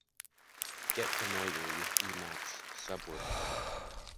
Get familiar with the Emacs subword mode.